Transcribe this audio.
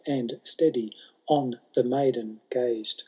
And steady on the maiden gazed.